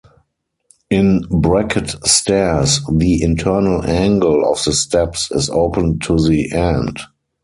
In bracket stairs the internal angle of the steps is open to the end.